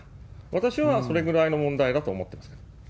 私はそれぐらいの問題だと思っています。